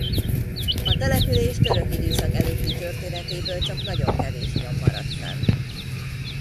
A település török időszak előtti történetéből csak nagyon kevés nyom maradt fenn.